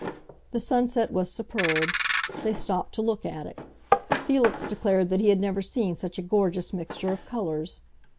The sunset was superb; they stopped to look at it; Felix declared that he had never seen such a gorgeous mixture of colors.